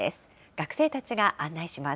学生たちが案内します。